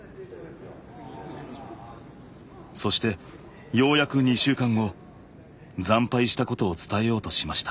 そしてようやく２週間後惨敗したことを伝えようとしました。